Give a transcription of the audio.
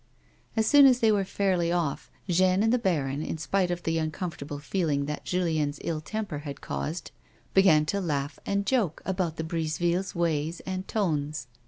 As soon as they were fairly off, Jeanne and the baron, in spite of the uncomfortable feeling that Julien's ill temper had caused, began to laugh and joke about the Brisevilles' ways and tones.